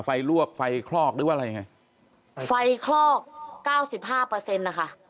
ลวกไฟคลอกหรือว่าอะไรยังไงไฟคลอกเก้าสิบห้าเปอร์เซ็นต์นะคะ